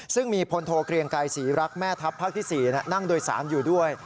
ซึ่งมีพลโทเกลียงไกรศรีรักแม่ทัพภาคที่๔นั่งโดยสารอยู่ด้วย